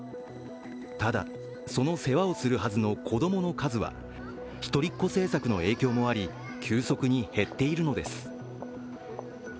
ただ、その世話をするはずの子供の数は一人っ子政策の影響もあり急速に減っているのです。